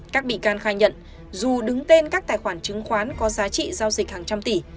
các bị can khai nhận dù đứng tên các tài khoản chứng khoán có giá trị giao dịch hàng trăm tỷ